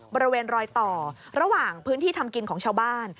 บริเวณรอยต่อระหว่างพื้นที่ทำกินของชาวบ้าน